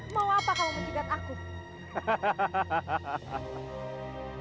mau apa kalau menjidat aku